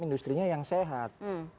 industri nya yang sehat